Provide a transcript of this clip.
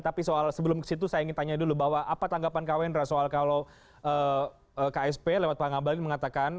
tapi soal sebelum ke situ saya ingin tanya dulu bahwa apa tanggapan kak wendra soal kalau ksp lewat pak ngabalin mengatakan